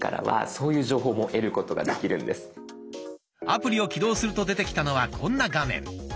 アプリを起動すると出てきたのはこんな画面。